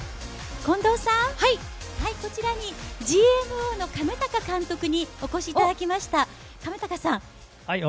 こちらにＧＭＯの亀鷹監督にお越しいただきました。